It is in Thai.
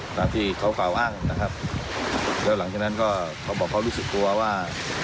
ตามที่เขากล่าวอ้างนะครับแล้วหลังจากนั้นก็เขาบอกเขารู้สึกกลัวว่า